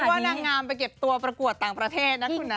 เพราะว่านางงามไปเก็บตัวประกวดต่างประเทศนะคุณนะ